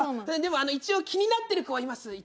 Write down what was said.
でも一応気になってる子はいます。